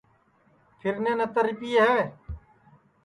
پھیرنے نتر رِپیئے ہے